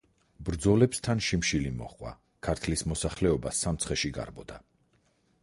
ბრძოლებს თან შიმშილი მოჰყვა, ქართლის მოსახლეობა სამცხეში გარბოდა.